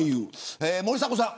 森迫さん。